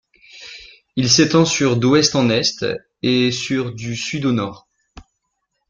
Il s'étend sur d'ouest en est, et sur du sud au nord.